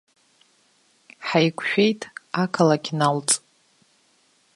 Ҳаиқәшәеит ақалақь налҵ.